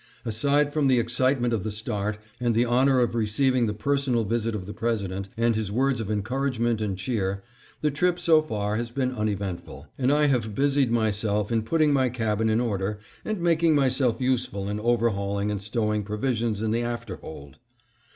Aside from the excitement of the start, and the honor of receiving the personal visit of the President, and his words of encouragement and cheer, the trip so far has been uneventful; and I have busied myself in putting my cabin in order, and making myself useful in overhauling and stowing provisions in the afterhold.